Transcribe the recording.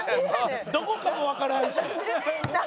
どこかもわからんし。